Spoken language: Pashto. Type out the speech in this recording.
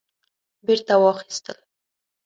بیرته واخیستل